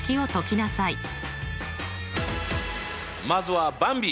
まずはばんび！